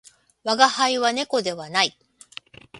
我が輩は猫ではない